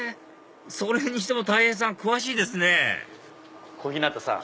それにしてもたい平さん詳しいですね小日向さん。